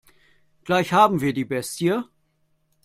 Gleich haben wir die Bestie.